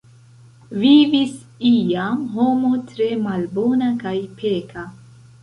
Vivis iam homo tre malbona kaj peka.